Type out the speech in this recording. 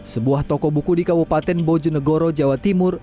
sebuah toko buku di kabupaten bojonegoro jawa timur